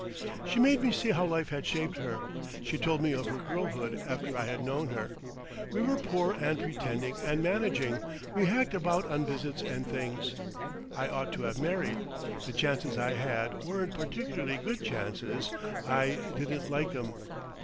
She made me see how life had shaped her. She told me of her girlhood after I had known her. "We were poor and pretending and managing. We hacked about on visits and things. I ought to have married. The chances I had weren't particularly good chances. I didn't like 'em."